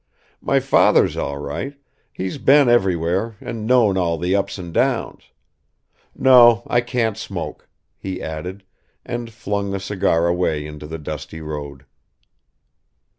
My father's all right, he's been everywhere and known all the ups and downs. No, I can't smoke," he added, and flung the cigar away into the dusty road.